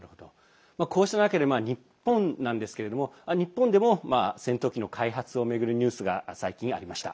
こうした中で日本なんですけれども日本でも戦闘機の開発を巡るニュースが最近ありました。